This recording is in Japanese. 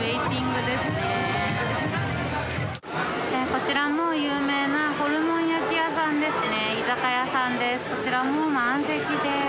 こちらも有名なホルモン焼き屋さんですね居酒屋さんです。